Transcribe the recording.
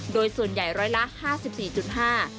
โดยส่วนใหญ่ร้อยละ๕๔๕ล้านบาท